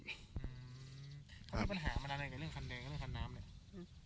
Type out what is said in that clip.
มีปัญหาอะไรกับเรื่องคันแดนและเรื่องคันน้ำเนี่ย